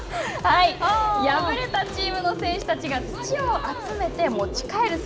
敗れたチームの選手たちが土を集めて、持ち帰る姿。